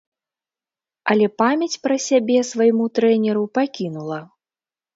Але памяць пра сябе свайму трэнеру пакінула.